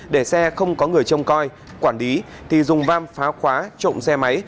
để xe không có người trông coi quản lý thì dùng vam phá khóa trộm xe máy